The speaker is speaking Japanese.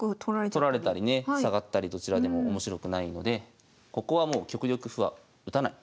取られたりね下がったりどちらでも面白くないのでここはもう極力歩は打たない。